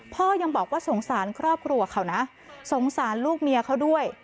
พ่อยังบอกว่าสงสารครอบครัวเขานะสงสารลูกเมียเขาด้วย